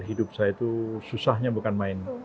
hidup saya itu susahnya bukan main